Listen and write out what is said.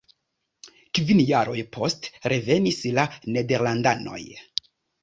Kvin jaroj poste revenis la nederlandanoj.